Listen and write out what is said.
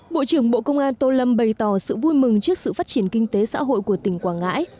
bộ trưởng bộ công an tô lâm bày tỏ sự vui mừng trước sự phát triển kinh tế xã hội của tỉnh quảng ngãi